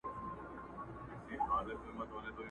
سپینو پلوشو یې باطل کړي منترونه دي٫